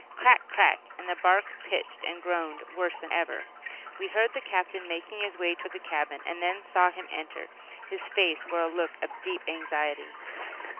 Crack! Crack! and the bark pitched and groaned worse than ever. We heard the Captain making his way toward the cabin, and then saw him enter. His face wore a look of deep anxiety.